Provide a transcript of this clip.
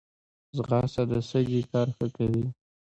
ځغاسته د سږي کار ښه کوي